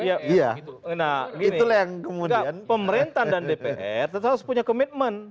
nah pemerintah dan dpr tetap harus punya komitmen